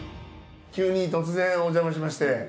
急に突然おじゃましまして。